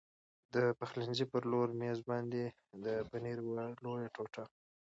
د پخلنځي پر لوی مېز باندې د پنیر یوه لویه ټوټه.